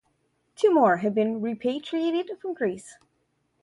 Two more have been repatriated from Greece.